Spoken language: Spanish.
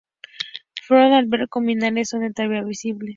Fontaine albergó minas que son todavía visibles.